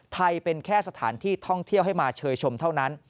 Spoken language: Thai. เป็นแค่สถานที่ท่องเที่ยวให้มาเชยชมเท่านั้น